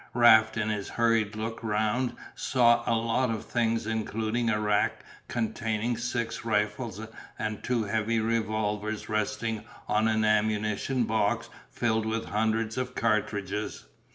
Raft in his hurried look round saw a lot of things including a rack containing six rifles and two heavy revolvers resting on an ammunition box filled with hundreds of cartridges.